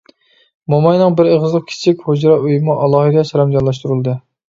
موماينىڭ بىر ئېغىزلىق كىچىك ھۇجرا ئۆيىمۇ ئالاھىدە سەرەمجانلاشتۇرۇلدى.